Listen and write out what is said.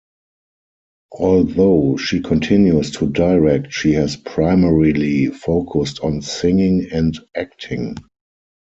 Although she continues to direct, she has primarily focused on singing and acting.